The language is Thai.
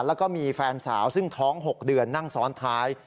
แล้วก็มีแฟนสาวซึ่งท้อง๖เดือนนั่งซ้อนท้าย